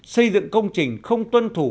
xây dựng công trình không tuân thủ